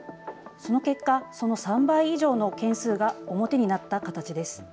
その結果、その３倍以上の件数が表になった形です。